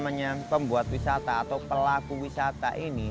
namanya pembuat wisata atau pelaku wisata ini